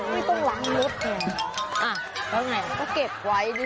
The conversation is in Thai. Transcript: ไม่ต้องลองรถตัวเนี่ย